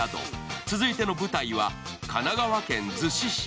続いての舞台は、神奈川県逗子市。